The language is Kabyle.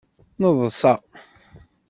Neḍsa.